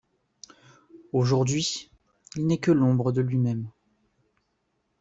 Aujourd'hui, il n'est que l'ombre de lui-même.